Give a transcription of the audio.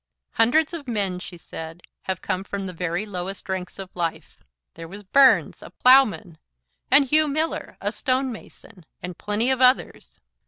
"Hundreds of men," she said, "have come from the very lowest ranks of life. There was Burns, a ploughman; and Hugh Miller, a stonemason; and plenty of others.